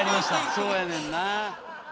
そうやねんな。